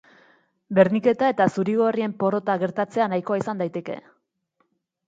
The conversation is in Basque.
Berdinketa eta zurigorrien porrota gertatzea nahikoa izan daiteke.